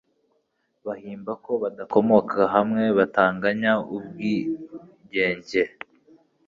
bahimba ko badakomoka hamwe, batanganya ubwigenge,